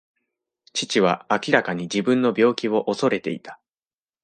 父は明らかに自分の病気を恐れていた。